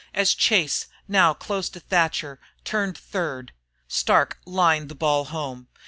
As Chase, now close to Thatcher, turned third, Starke lined the ball home.